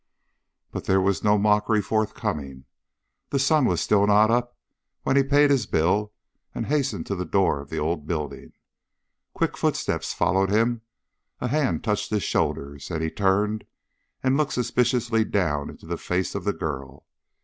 But there was no mockery forthcoming. The sun was still not up when he paid his bill and hastened to the door of the old building. Quick footsteps followed him, a hand touched his shoulders, and he turned and looked suspiciously down into the face of the girl.